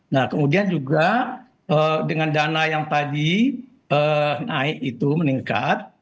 nah kemudian juga dengan dana yang tadi naik itu meningkat